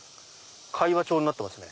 会話調になってますね。